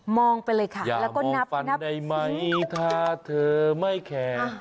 มองไปเลยค่ะอย่ามองฟันได้ไหมถ้าเธอไม่แคร์